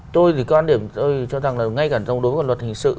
tôi thì quan điểm tôi cho rằng là ngay cả trong đối với luật hình sự